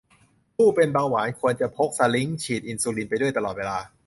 ผู้เป็นเบาหวาน ควรจะพกสลิงก์ฉีดอินซูลิน ไปด้วยตลอดเวลา